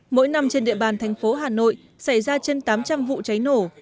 mỗi năm trên địa bàn tp hà nội xảy ra trên tám trăm linh vụ cháy nổ